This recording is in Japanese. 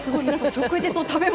食事と食べ物。